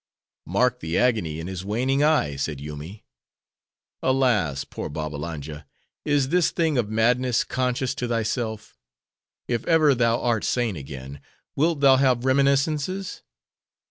"Mark the agony in his waning eye," said Yoomy;—"alas, poor Babbalanja! Is this thing of madness conscious to thyself? If ever thou art sane again, wilt thou have reminiscences?